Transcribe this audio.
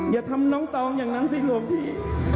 อย่าทำน้องตองอย่างนั้นสิครับพี่